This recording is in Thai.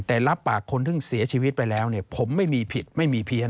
แต่รับปากคนที่เสียชีวิตไปแล้วเนี่ยผมไม่มีผิดไม่มีเพี้ยน